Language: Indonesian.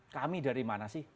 kami dari mana sih